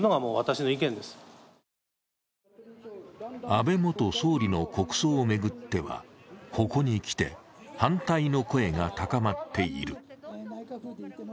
安倍元総理の国葬を巡ってはここに来て、反対の声が高まっている。